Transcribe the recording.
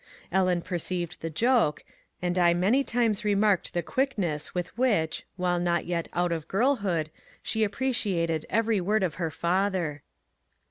Ellen perceived the joke, and I many times remarked the quickness with which, while not yet out of girl hood, she appreciated every word of her father.